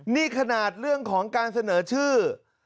นี่ขนาดเรื่องของการเสนอชื่อ